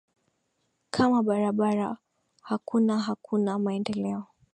kama barabara hakuna hakuna maendeleo